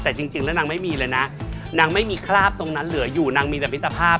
แต่จริงแล้วนางไม่มีเลยนะนางไม่มีคราบตรงนั้นเหลืออยู่นางมีแต่มิตรภาพ